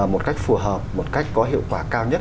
một cách phù hợp một cách có hiệu quả cao nhất